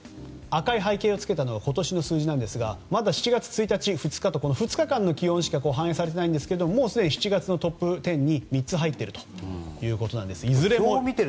赤い背景をつけたのが今年の数字なんですがまだ７月１日、２日と２日間の気温しか反映されていませんがもうすでに７月のトップ１０に３つ入っているんです。